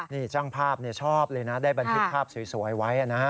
นี่ช่างภาพชอบเลยนะได้บันทึกภาพสวยไว้นะฮะ